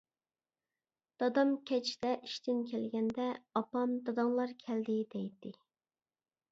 دادام كەچتە ئىشتىن كەلگەندە ئاپام داداڭلار كەلدى دەيتتى.